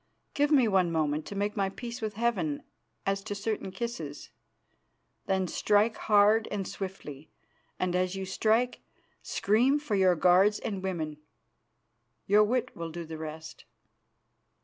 Give me one moment to make my peace with Heaven as to certain kisses. Then strike hard and swiftly, and, as you strike, scream for your guards and women. Your wit will do the rest."